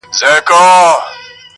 له هغې ویري مي خوب له سترګو تللی؛